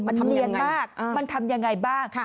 มันทำเนียนมากมันทำยังไงบ้าง